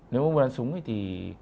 nếu mua súng thì